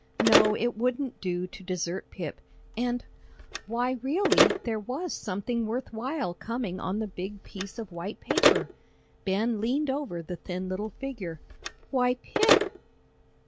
No, it wouldn't do to desert Pip and why, really there was something worth while coming on the big piece of white paper. Ben leaned over the thin little figure. "Why, Pip!"